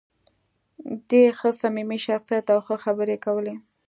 دی ښه صمیمي شخصیت و او ښه خبرې یې کولې.